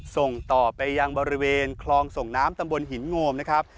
ส่งต่อไปยังบริเวณคลองส่งน้ำตำบลหินโงมนะครับ